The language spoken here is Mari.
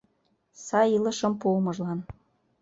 Сай илышым пуымыжлан.